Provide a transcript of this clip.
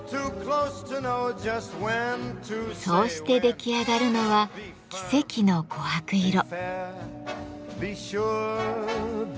そうして出来上がるのは奇跡の琥珀色。